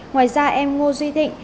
ngoài ra em ngô duy thịnh